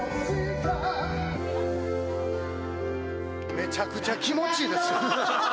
めちゃくちゃ気持ちいいですよ。